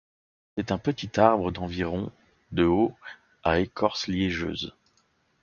C'est un petit arbre d'environ de haut, à écorce liégeuse.